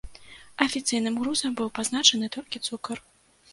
Афіцыйным грузам быў пазначаны толькі цукар.